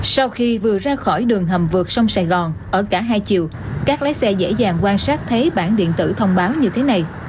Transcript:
sau khi vừa ra khỏi đường hầm vượt sông sài gòn ở cả hai chiều các lái xe dễ dàng quan sát thấy bản điện tử thông báo như thế này